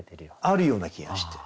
あるような気がして。